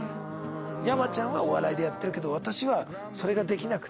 「山ちゃんお笑いでやってるけど私はそれができなくて。